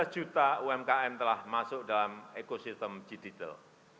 dua belas juta umkm telah masuk dalam ekosistem digital